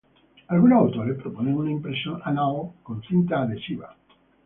Algunos autores proponen una impresión anal con cinta adhesiva.